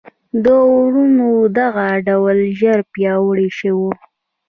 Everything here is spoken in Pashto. د وروڼو دغه ډله ژر پیاوړې شوه.